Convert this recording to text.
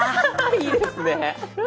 いいですね。